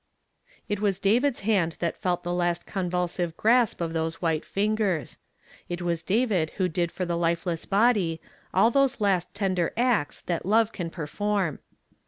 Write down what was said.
It was David's hand that felt the last convul sive grasp of those white fingers. It was David who did for the lifeless body all those last tender acts that love can perform.